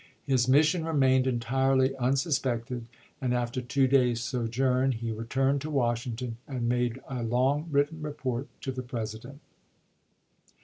His mission remained entirely unsus pected; and after two days' sojourn, he returned to Washington and made a long written report to the President.